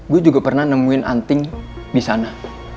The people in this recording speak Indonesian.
gue juga pernah nemuin anting di sana